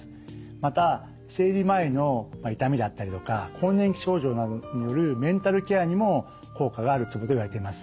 また生理前の痛みだったりとか更年期症状などによるメンタルケアにも効果があるツボといわれています。